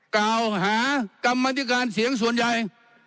กล่าวหากรรมธิการเสียงส่วนใหญ่